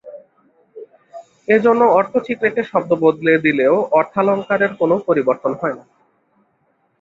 এজন্য অর্থ ঠিক রেখে শব্দ বদলে দিলেও অর্থালঙ্কারের কোনো পরিবর্তন হয় না।